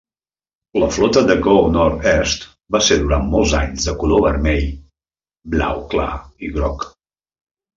La flota de Go North East va ser durant molts anys de color vermell, blau clar i groc.